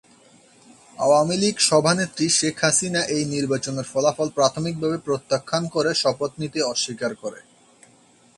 আওয়ামী লীগ সভানেত্রী শেখ হাসিনা এই নির্বাচনের ফলাফল প্রাথমিক ভাবে প্রত্যাখ্যান করে শপথ নিতে অস্বীকার করে।